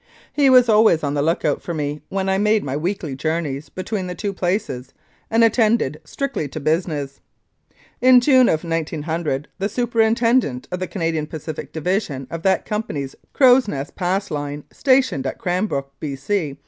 He was always on the look out for me when I made my weekly journeys between the two places, and attended strictly to business. In June of 1900 the superintendent of the Canadian Pacific Division of that company's Crow's Nest Pass line, stationed at Cranbrook, B.C.